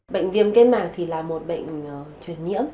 bệnh viêm kết mạc là một bệnh truyền nhiễm